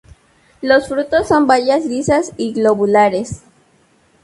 Los frutos son bayas lisas y globulares.